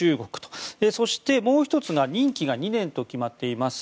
そして、もう１つが任期が２年と決まっています